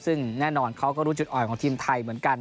ซึ่งแน่นอนเขาก็รู้จุดอ่อนของทีมไทยเหมือนกัน